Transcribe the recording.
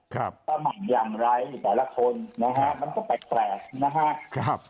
ประมาณอย่างไรแต่ละคนนะฮะมันก็แปลกนะฮะครับ